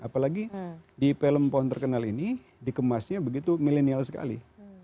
apalagi di film pohon terkenal ini dikemasnya begitu milenial sekali